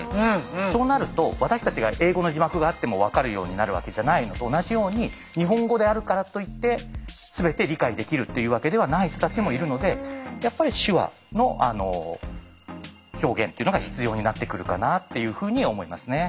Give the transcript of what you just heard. そうなると私たちが英語の字幕があっても分かるようになるわけじゃないのと同じように日本語であるからといって全て理解できるっていうわけではない人たちもいるのでやっぱり手話の表現っていうのが必要になってくるかなっていうふうに思いますね。